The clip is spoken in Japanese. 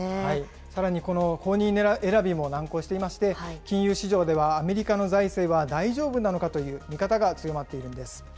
さらにこの後任選びも難航していまして、金融市場では、アメリカの財政は大丈夫なのかという見方が強まっているんです。